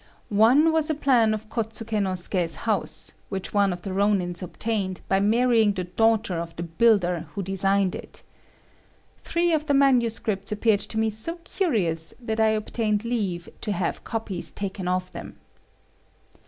One was a plan of Kôtsuké no Suké's house, which one of the Rônins obtained by marrying the daughter of the builder who designed it. Three of the manuscripts appeared to me so curious that I obtained leave to have copies taken of them.